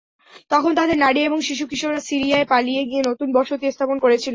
তখন তাদের নারী এবং শিশু-কিশোররা সিরিয়ায় পালিয়ে গিয়ে নতুন বসতি স্থাপন করেছিল।